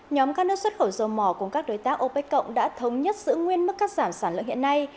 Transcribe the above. nhóm các nước xuất khẩu dầu mỏ cùng các đối tác opec cộng đã thống nhất giữ nguyên mức cắt giảm sản lượng hiện nay